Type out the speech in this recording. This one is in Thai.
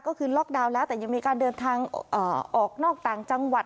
ก็คือล็อกดาวน์แล้วแต่ยังมีการเดินทางออกนอกต่างจังหวัด